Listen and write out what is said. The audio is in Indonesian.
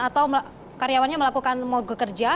atau karyawannya melakukan mogok kerja